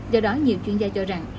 do đó nhiều chuyên gia cho rằng